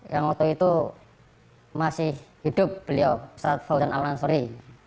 yang waktu itu masih hidup beliau saat fawzan al ansuri